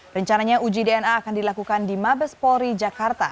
rencananya uji dna akan dilakukan di mabes polri jakarta